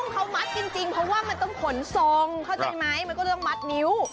เขามัดจริงเพราะว่ามันต้องขนทรงเข้าใจไหมมันก็เรื่องมัดนิ้ว